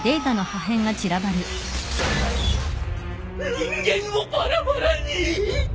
人間をバラバラにぃ！？